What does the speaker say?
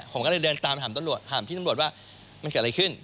ผมก็เลยเดินตามถามตำรวจถามพี่ตำรวจว่ามันเกิดอะไรขึ้น